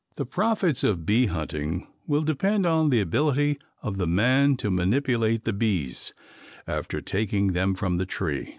The profits of bee hunting will depend on the ability of the man to manipulate the bees after taking them from the tree.